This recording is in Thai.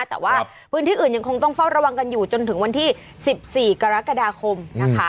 แต่ว่าพื้นที่อื่นยังคงต้องเฝ้าระวังกันอยู่จนถึงวันที่๑๔กรกฎาคมนะคะ